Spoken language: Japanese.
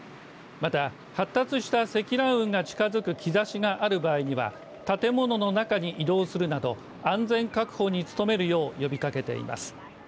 また、発達した積乱雲が近づく兆しがある場合には建物の中に移動するなど安全確保に努めるよう呼びかけています。